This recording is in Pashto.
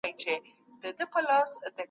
د دنیا ژوند فاني او لنډ دی.